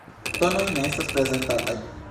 Tonoj ne estas prezentataj.